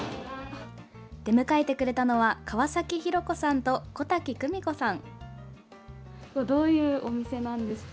出迎えてくれたのは川崎洋子さんと小滝久美子さん。